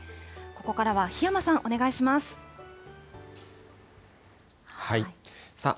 ここからは檜山さん、お願いしまさあ